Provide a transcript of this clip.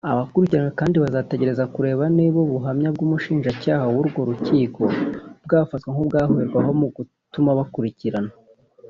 Abakurikiranywe kandi bazategereza kureba niba ubuhamya bw’umushinjacyaha w’urwo rukiko bwafatwa nk’ubwaherwaho mu gutuma bakurikiranwa